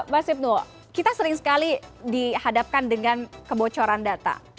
mas ibnul kita sering sekali dihadapkan dengan kebocoran data